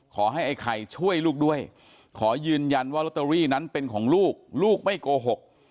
ขอให้ไอ้ไข่ช่วยลูกด้วยขอยืนยันว่าลอตเตอรี่นั้นเป็นของลูกลูกไม่โกหก